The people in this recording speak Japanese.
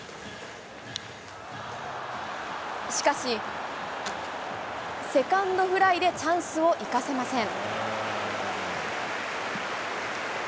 しかし、セカンドフライでチャンスを生かせません。